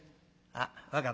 あっ分かった。